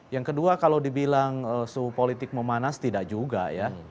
yang kedua kalau dibilang suhu politik memanas tidak juga ya